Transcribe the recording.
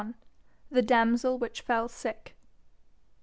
THE DAMSEL WHICH FELL SICK.